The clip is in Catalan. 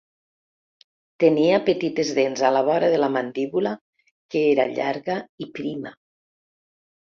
Tenia petites dents a la vora de la mandíbula, que era llarga i prima.